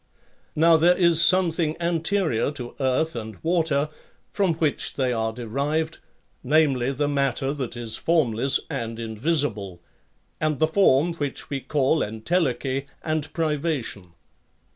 Now there is something anterior to earth and water from which they are derived, namely the matter that is formless and invisible, and the form which we call entelechy, and privation.